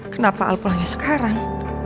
kenapa al pulangnya sekarang